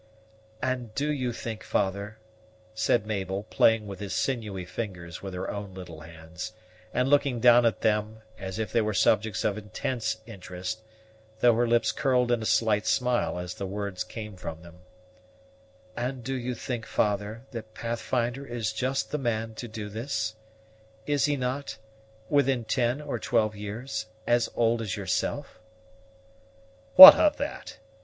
"And do you think, father," said Mabel, playing with his sinewy fingers with her own little hands, and looking down at them, as if they were subjects of intense interest, though her lips curled in a slight smile as the words came from them, "and do you think, father, that Pathfinder is just the man to do this? Is he not, within ten or twelve years, as old as yourself?" "What of that?